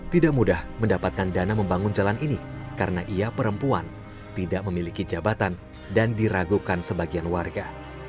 tidak mudah mendapatkan dana membangun jalan ini karena ia perempuan tidak memiliki jabatan dan diragukan sebagian warga